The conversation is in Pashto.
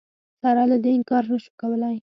سره له دې انکار نه شو کولای